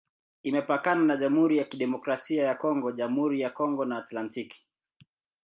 Imepakana na Jamhuri ya Kidemokrasia ya Kongo, Jamhuri ya Kongo na Atlantiki.